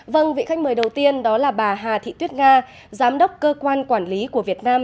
vâng vị khách mời đầu tiên đó là bà hà thị tuyết nga giám đốc cơ quan quản lý của việt nam